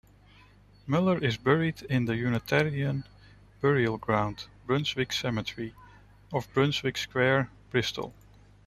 Muller is buried in the Unitarian burial ground, Brunswick Cemetery, off Brunswick Square, Bristol.